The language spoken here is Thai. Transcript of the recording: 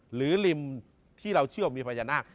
หรือหลิมที่เราเชื่อว่ามีพัฒนธนาค